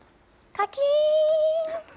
カキーン。